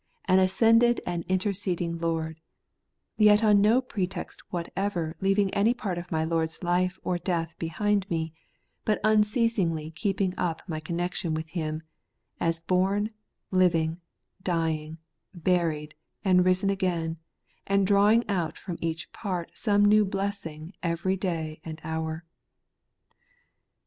an ascended and interceding Lord : yet on no pretext whatever leaving any part of my Lord's life or death behind me, but unceasingly keeping up my connection with Him, as bom, living, dying, buried, and rising again, and drawing out from each part some new blessing every day and hour.